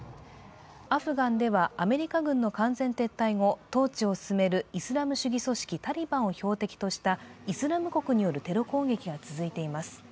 アフガンではアメリカ軍の完全撤退後、統治を進めるイスラム主義組織タリバンを標的としたイスラム国によるテロ攻撃が続いています。